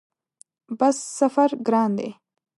بس سفر ګران دی؟